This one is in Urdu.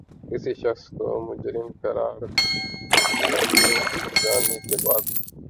کسی شخص کو مجرم قراد دیے جانے کے بعد